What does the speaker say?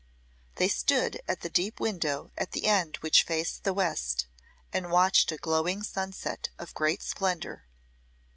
They stood at the deep window at the end which faced the west and watched a glowing sunset of great splendour.